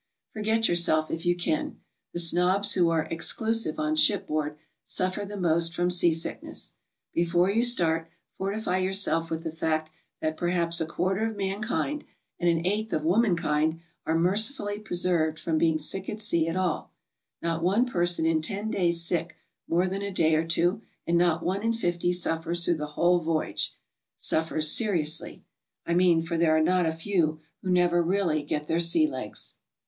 Forget yourself if you can. The snobs who are "exclusive" on shipboard suffer the most from seasickness. Before you start, fortify yourself with the fact that perhaps a quarter of mankind and an eighth of womankind are mer cifully preserved from being sick at sea at all; not one per son in ten stays sick more than a day or two; and not one in fifty suffers through the whole voyage — suffers seriously, I mean, for there are not a few who never really get their sea legs.